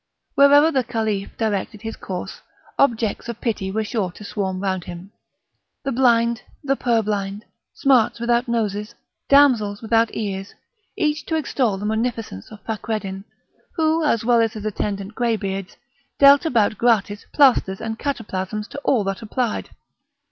Wherever the Caliph directed his course objects of pity were sure to swarm round him: the blind, the purblind, smarts without noses, damsels without ears, each to extol the munificence of Fakreddin, who, as well as his attendant grey beards, dealt about gratis plasters and cataplasms to all that applied.